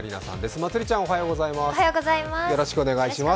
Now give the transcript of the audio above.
まつりちゃんおはようございます。